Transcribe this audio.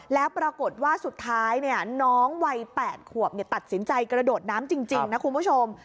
แล้วปรากฏว่าสุดท้ายน้องวัย๘ขวบตัดสินใจกระโดดน้ำจริงนะคุณผู้ชม